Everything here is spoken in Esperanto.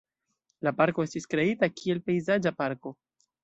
La parko estis kreita kiel pejzaĝa parko.